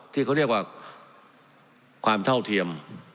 ที่เขาเรียกว่าความเท่าเทียม